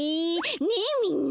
ねえみんな。